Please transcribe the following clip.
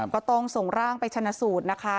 ก็ต้องส่งร่างไปชนะสูตรนะคะ